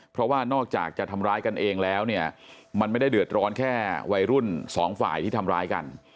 เพราะว่านอกจากจะทำร้ายกันเองแล้วเนี่ยมันไม่ได้เดือดร้อนแค่วัยรุ่นสองฝ่ายที่ทำร้ายกัน